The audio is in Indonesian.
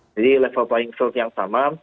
jadi level playing field yang sama